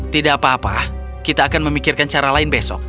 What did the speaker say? tidak apa apa kita akan memikirkan cara lain besok